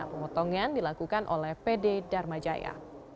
pemotongan dilakukan oleh pd dharma jaya